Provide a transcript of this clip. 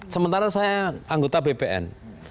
sementara saya anggota bpn